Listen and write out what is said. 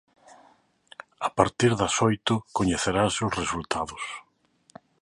A partir das oito coñeceranse os resultados.